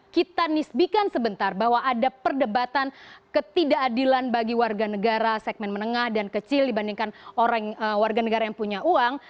kita nisbikan sebentar bahwa ada perdebatan ketidakadilan bagi warga negara segmen menengah dan kecil dibandingkan warga negara yang punya uang